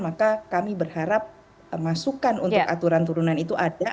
maka kami berharap masukan untuk aturan turunan itu ada